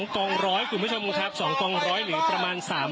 ๒ตองร้อยคุณผู้ชมครับ๒ตองร้อยหรือประมาณ